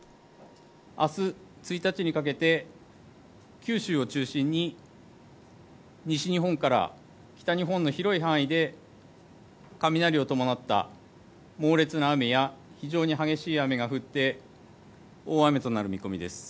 あす１日にかけて、九州を中心に西日本から北日本の広い範囲で雷を伴った猛烈な雨や、非常に激しい雨が降って、大雨となる見込みです。